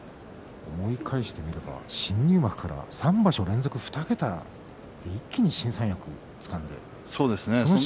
思い返せば新入幕から３場所連続の２桁一気に新三役をつかみました。